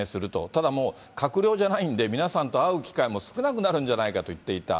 ただもう閣僚じゃないんで、皆さんと会う機会も少なくなるんじゃないかと言っていた。